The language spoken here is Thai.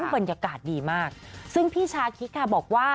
วันยกาศดีมากซึ่งพี่ชาคริสก็บอกว่า